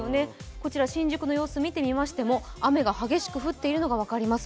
こちら新宿の様子見てみましても、雨が激しく降っているのが分かります。